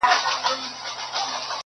پر وجود باندي مو نه دي ازمېيلي.!